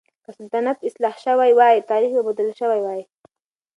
که سلطنت اصلاح شوی وای، تاريخ به بدل شوی وای.